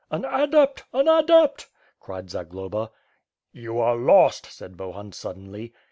"An adept! an adept!'* cried Zagloba, "You are lost!'* said Bohun, suddenly.